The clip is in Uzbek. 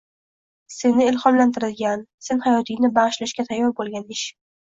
seni ilhomlantiradigan, sen hayotingni bagʻishlashga tayyor boʻlgan ish.